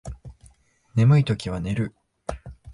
眠いときは寝る